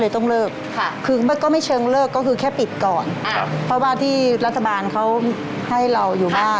แต่ว่ามันเจอปัญหานะครับ